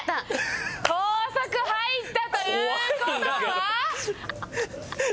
高速入ったという事は？